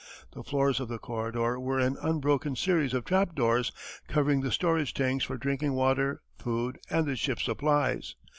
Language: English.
The floors of the corridor were an unbroken series of trap doors, covering the storage tanks for drinking water, food, and the ship's supplies.